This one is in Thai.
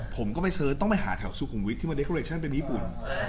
ผมก็ไปเซิร์ชต้องไปหาแถวสุขุมวิทที่มีเกอร์เรคชั่นเป็นญี่ปุ่น